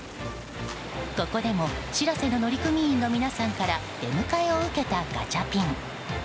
ここでも「しらせ」の乗組員の皆さんから出迎えを受けたガチャピン。